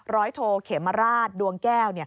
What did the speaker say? โทเขมราชดวงแก้ว